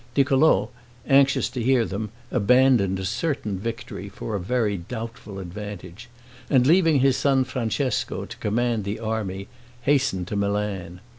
Niccolo, anxious to hear them, abandoned a certain victory for a very doubtful advantage; and leaving his son Francesco to command the army, hastened to Milan.